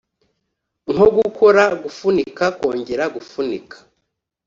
nko gukora gufunika kongera gufunika